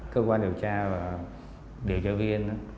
cơ quan điều tra và điều trợ viên